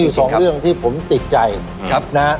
นี่อยู่สองเรื่องที่ผมติดใจ